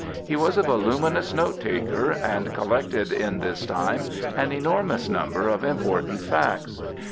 He was a voluminous note taker and collected in this time an enormous number of important facts.